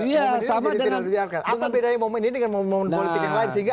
ya sama dengan biarkan apa bedanya momen ini dengan momen momen politik yang lain sehingga